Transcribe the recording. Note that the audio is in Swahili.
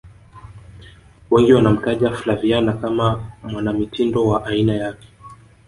wengi wanamtaja flaviana kama mwanamitindo wa aina yake